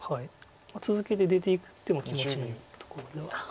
続けて出ていく手も気持ちのいいところではあります